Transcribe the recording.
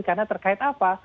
karena terkait apa